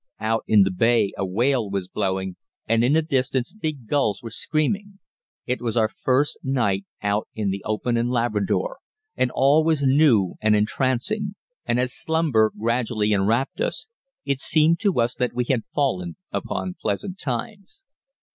Out in the bay a whale was blowing, and in the distance big gulls were screaming. It was our first night out in the open in Labrador, and all was new and entrancing; and as slumber gradually enwrapped us, it seemed to us that we had fallen upon pleasant times.